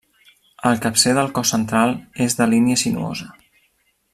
El capcer del cos central és de línia sinuosa.